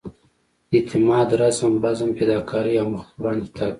اعتماد رزم بزم فداکارۍ او مخ پر وړاندې تګ.